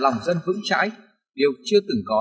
lòng dân vững trái điều chưa từng có